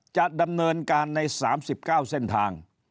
จะดำเนินการใน๓๙เส้นทาง